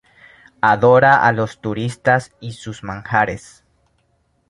Adora a los turistas y sus manjares.